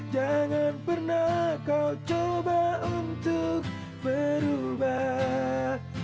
jangan pernah kau coba untuk berubah